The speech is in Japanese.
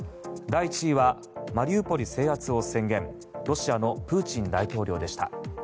第１位はマリウポリ制圧を宣言ロシアのプーチン大統領でした。